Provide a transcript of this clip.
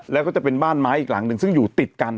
แล้วก็จะเป็นบ้านไม้อีกหลังหนึ่งซึ่งอยู่ติดกัน